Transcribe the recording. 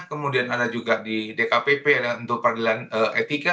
kemudian ada juga di dkpp ada untuk peradilan etika